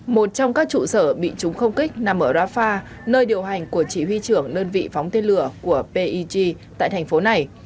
một trong các trụ sở bị chúng không kích nằm ở rafah nơi điều hành của chỉ huy trưởng đơn vị phóng tên lửa của pig tại thành phố này